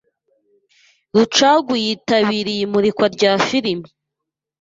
Rucagu yitabiriye imurikwa rya Film